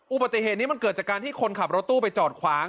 อุบัติเหตุนี้มันเกิดจากการที่คนขับรถตู้ไปจอดขวาง